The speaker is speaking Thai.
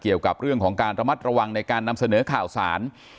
เกี่ยวกับเรื่องของการระมัดระวังในการนำเสนอข่าวสาร